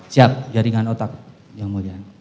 siap jaringan otak yang mulia